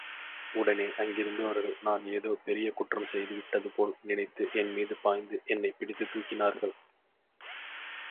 உடனே அங்கிருந்தவர்கள் நான் ஏதோ பெரிய குற்றம் செய்து விட்டதுபோல் நினைத்து என்மீது பாய்ந்து என்னைப் பிடித்துத் தூக்கினார்கள்.